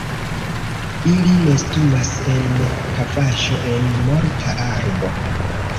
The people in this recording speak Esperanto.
Ili nestumas en kavaĵo en morta arbo.